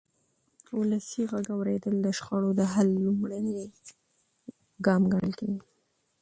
ولسي غږ اورېدل د شخړو د حل لومړنی ګام ګڼل کېږي